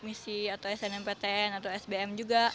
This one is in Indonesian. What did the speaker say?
misi atau snmptn atau sbm juga